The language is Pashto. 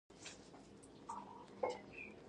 ځغاسته د ځان غښتلتیا ده